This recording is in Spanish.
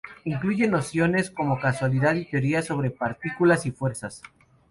Incluye nociones como causalidad y teorías sobre partículas y fuerzas.